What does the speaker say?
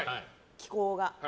気候が。